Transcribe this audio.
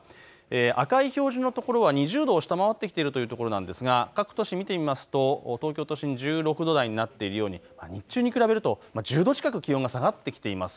赤い表示の所は２０度を下回っているというところなんですが各都市見てみますと東京都心１６度台になっているように日中に比べると１０度近く気温が下がってきています。